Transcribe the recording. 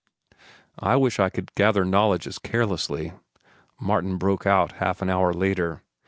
'" "I wish I could gather knowledge as carelessly," Martin broke out half an hour later.